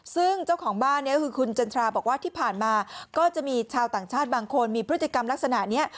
ซึ่งเจ้าของบ้านเนี่ยก็คือคุณจันทราบอกว่าที่ผ่านมาก็จะมีชาวต่างชาติบางคนมีพฤติกรรมลักษณะนี้